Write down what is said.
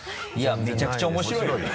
いやめちゃくちゃ面白いよ。